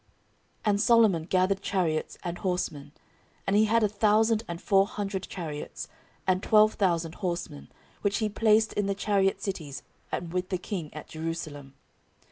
14:001:014 And Solomon gathered chariots and horsemen: and he had a thousand and four hundred chariots, and twelve thousand horsemen, which he placed in the chariot cities, and with the king at Jerusalem.